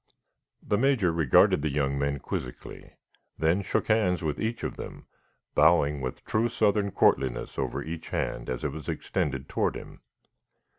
The Major regarded the young men quizzically, then shook hands with each of them, bowing with true southern courtliness over each hand as it was extended toward him.